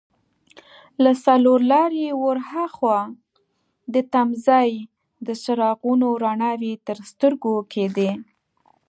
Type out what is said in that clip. له څلور لارې ور هاخوا د تمځای د څراغونو رڼاوې تر سترګو کېدې.